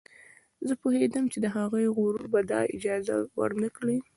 زه پوهېدم چې د هغې غرور به دا اجازه ور نه کړي